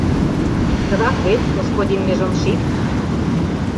Тыгак вет, господин межомшик?